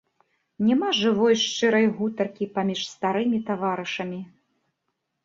Няма жывой шчырай гутаркі паміж старымі таварышамі.